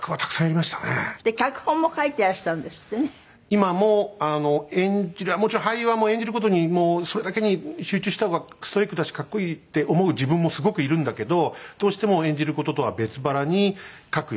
今ももちろん俳優はもう演じる事にもうそれだけに集中した方がストイックだし格好いいって思う自分もすごくいるんだけどどうしても演じる事とは別腹に書く欲求があって。